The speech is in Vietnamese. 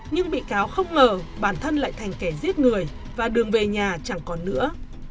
nhưng bị cáo không ngờ bản thân lại thành kẻ giết người và đường về nhà chẳng còn nữa